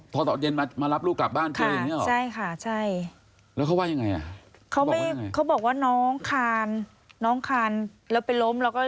พอตอนเย็นมารับลูกกลับบ้านเธออย่างนี้หรอ